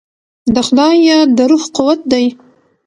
د خدای یاد د روح قوت دی.